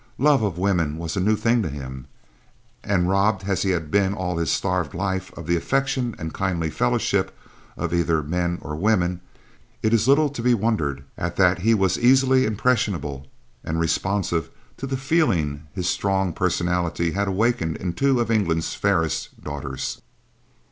Love of women was a new thing to him, and, robbed as he had been all his starved life of the affection and kindly fellowship, of either men or women, it is little to be wondered at that he was easily impressionable and responsive to the feeling his strong personality had awakened in two of England's fairest daughters.